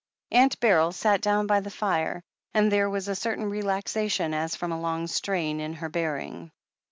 Aunt Beryl sat down by the fire, and there was a certain relaxation, as from a long strain, in her bearing.